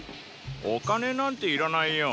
お金なんていらないよ。